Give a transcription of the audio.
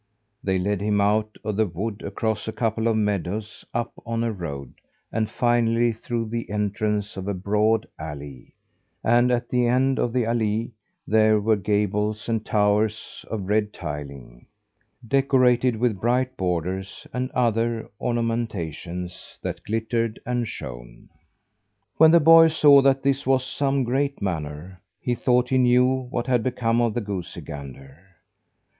They led him out of the wood, across a couple of meadows, up on a road, and finally through the entrance of a broad allée. At the end of the allée there were gables and towers of red tiling, decorated with bright borders and other ornamentations that glittered and shone. When the boy saw that this was some great manor, he thought he knew what had become of the goosey gander.